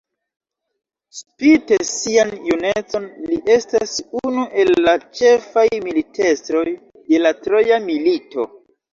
Spite sian junecon li estas unu el la ĉefaj militestroj de la Troja Milito.